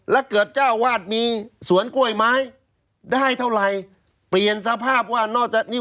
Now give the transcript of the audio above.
แล้วเกิดเจ้าวาดมีสวนกล้วยไม้ได้เท่าไหร่เปลี่ยนสภาพว่านอกจากนี้